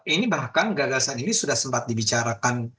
ini bahkan gagasan ini sudah sempat dibicarakan